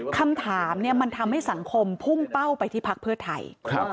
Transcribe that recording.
คำถามมันทำให้สังคมพุ่งเป้าไปที่พักเพื่อไทย